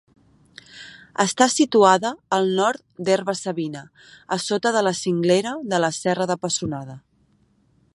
Està situada al nord d'Herba-savina, a sota de la cinglera de la Serra de Pessonada.